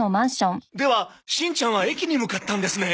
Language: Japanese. ではしんちゃんは駅に向かったんですね？